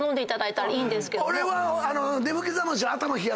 俺は。